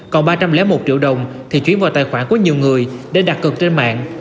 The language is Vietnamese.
còn ba trăm linh một triệu đồng thì chuyển vào tài khoản của nhiều người để đặt cược trên mạng